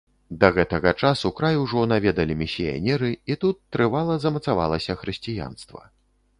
Да гэтага часу край ужо наведалі місіянеры і тут трывала замацавалася хрысціянства.